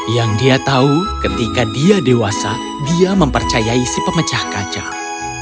yang dia tahu ketika dia dewasa dia mempercayai si pemecah kacang